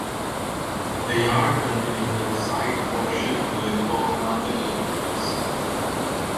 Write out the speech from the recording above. The Yard continued as a site for shipbuilding for another eleven years.